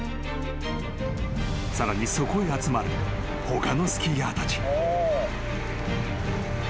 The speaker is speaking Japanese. ［さらにそこへ集まる他のスキーヤーたち］